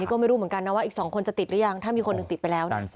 ก็ไม่รู้เหมือนกันนะว่าอีก๒คนจะติดหรือยังถ้ามีคนหนึ่งติดไปแล้วนะ